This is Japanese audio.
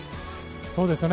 そうですよね。